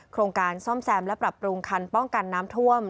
โครงการซ่อมแซมและปรับปรุงคันป้องกันน้ำท่วม